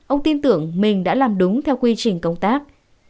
ông tin tưởng mình đã làm đúng theo quy trình công tác